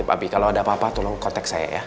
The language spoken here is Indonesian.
iya pak abi kalau ada apa apa tolong kontek saya ya